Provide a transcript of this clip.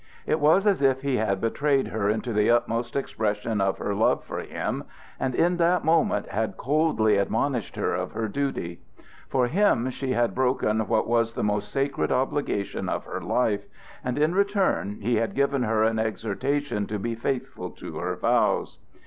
It was as if he had betrayed her into the utmost expression of her love for him and in that moment had coldly admonished her of her duty. For him she had broken what was the most sacred obligation of her life, and in return he had given her an exhortation to be faithful to her vows.